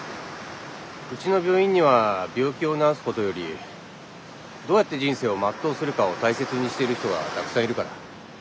うちの病院には病気を治すことよりどうやって人生を全うするかを大切にしている人がたくさんいるから。